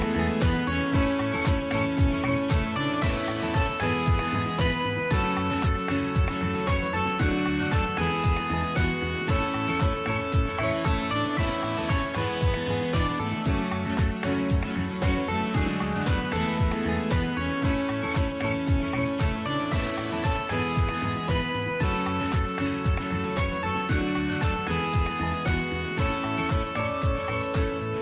สวัสดีครับ